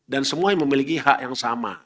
dan semua yang memiliki hak yang sama